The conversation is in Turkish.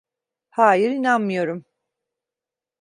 Hayır, inanmıyorum.